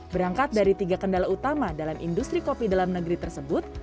berangkat dari tiga kendala utama dalam industri kopi dalam negeri tersebut